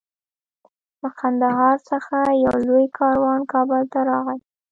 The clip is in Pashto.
له قندهار څخه یو لوی کاروان کابل ته راغی.